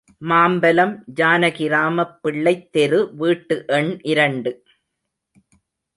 மாம்பலம், ஜானகிராமப் பிள்ளைத் தெரு வீட்டு எண் இரண்டு.